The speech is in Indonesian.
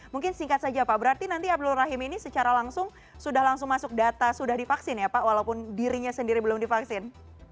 mungkin singkat saja pak berarti nanti abdul rahim ini secara langsung sudah langsung masuk data sudah divaksin ya pak walaupun dirinya sendiri belum divaksin